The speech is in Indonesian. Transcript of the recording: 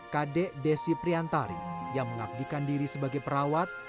kadek desi priantari yang mengabdikan diri sebagai perawat